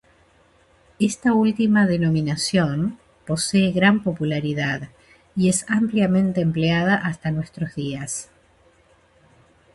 Esta última denominación posee gran popularidad y es ampliamente empleada hasta nuestros días.